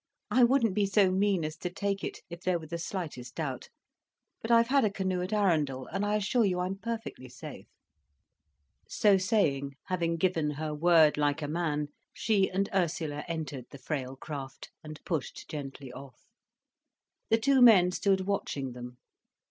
"I wouldn't be so mean as to take it, if there was the slightest doubt. But I've had a canoe at Arundel, and I assure you I'm perfectly safe." So saying, having given her word like a man, she and Ursula entered the frail craft, and pushed gently off. The two men stood watching them.